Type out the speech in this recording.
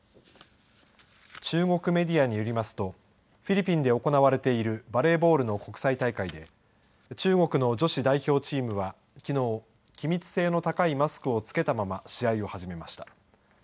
中国メディアによりますとフィリピンで行われているバレーボールの国際大会で中国の女子代表チームはきのう気密性の高いマスクをつけたまま試合を始めました。